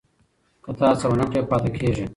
که ته هڅه ونه کړې پاتې کېږې.